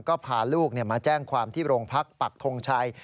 ก็พาลูกมาแจ้งความที่โรงพักปักทงชัย